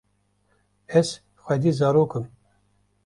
ez xwedî zarok im